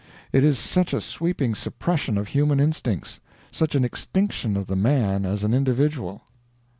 It is such a sweeping suppression of human instincts, such an extinction of the man as an individual.